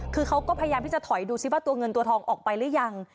คือเขาก็พยายามที่จะถอยดูซิว่าตัวเงินตัวทองออกไปหรือยัง